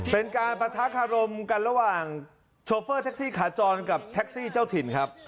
เป็นการปะทะคารมกันระหว่างโชเฟอร์แท็กซี่ขาจรกับแท็กซี่เจ้าถิ่นครับ